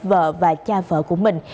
vợ và cha vợ của mình